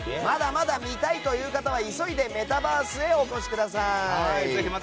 まだまだ見たいという方は急いでメタバースにお越しください。